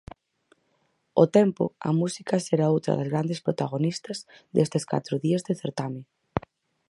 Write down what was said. Ao tempo, a música será outra das grandes protagonistas destes catro días de certame.